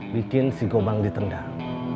bikin si gobang ditendang